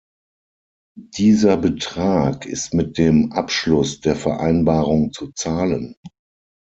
Dieser Betrag ist mit dem Abschluss der Vereinbarung zu zahlen.